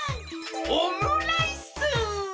オムライス！